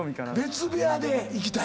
別部屋でいきたい？